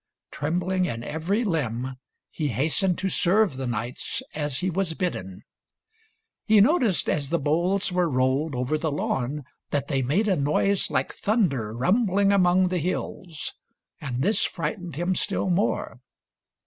Trembling in every limb, he hastened to serve the knights as he was bidden. He noticed as the bowls were rolled over the 230 THIRTY MORE FAMOUS STORIES lawn that they made a noise Hke thunder rumbling among the hills, and this frightened him still more.